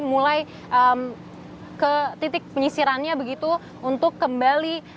mulai ke titik penyisirannya begitu untuk kembali